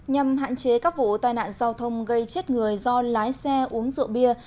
nhằm hạn chế các vụ tai nạn giao thông gây chết người do lái xe uống rượu bia